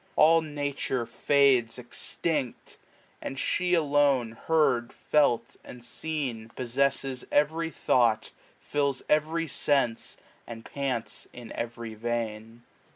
All Nature fades extinct ; and she alone loia Heard, felt, and seen, possesses every thought. Fills every sense> and pants in every vein.